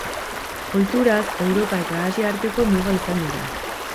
Ohituraz, Europa eta Asia arteko muga izan dira.